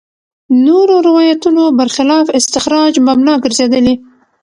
نورو روایتونو برخلاف استخراج مبنا ګرځېدلي.